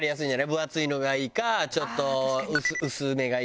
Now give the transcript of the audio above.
分厚いのがいいかちょっと薄めがいいかね。